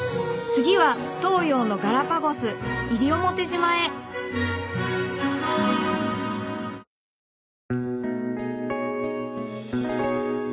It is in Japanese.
次は東洋のガラパゴス西表島へ綿矢りさ